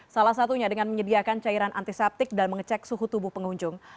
salah satunya dengan menyediakan cairan antiseptik dan mengecek suhu tubuh pengunjung